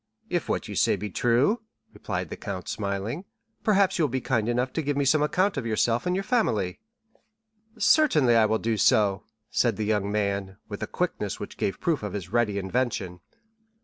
"If what you say be true," replied the count, smiling, "perhaps you will be kind enough to give me some account of yourself and your family?" "Certainly, I will do so," said the young man, with a quickness which gave proof of his ready invention.